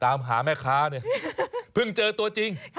ตามหาแม่ค้าเนี่ยเพิ่งเจอตัวจริง